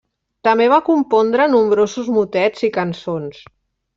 També va compondre nombrosos motets i cançons.